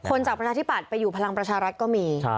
จากประชาธิบัติไปอยู่พลังประชารัฐก็มี